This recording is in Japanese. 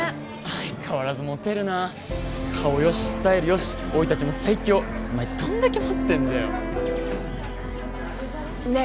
相変わらずモテるな顔よしスタイルよし生い立ちも最強お前どんだけ持ってんだよね